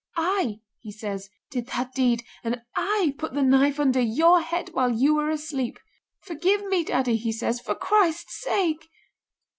I,' he says, 'did that deed, and I put the knife under your head while you were asleep. Forgive me, Daddy,' he says, 'for Christ's sake!